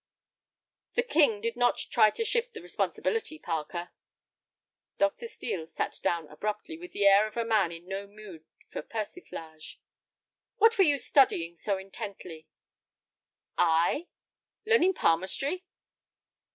"The king did not try to shift the responsibility, Parker." Dr. Steel sat down abruptly, with the air of a man in no mood for persiflage. "What were you studying so intently?" "I?" "Learning palmistry?"